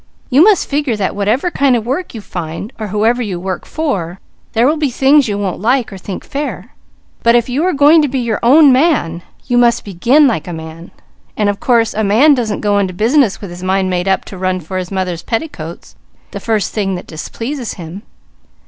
You must figure that whatever kind of work you find, or whoever you work for, there will be things you won't like or think fair, but if you are going to be your own man, you must begin like a man; and of course a man doesn't go into business with his mind made up to run for his mother's petticoats, the first thing that displeases him.